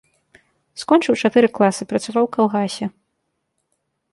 Скончыў чатыры класы, працаваў у калгасе.